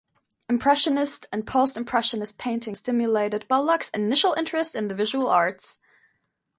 Impressionist and post-Impressionist paintings stimulated Bullock's initial interest in the visual arts.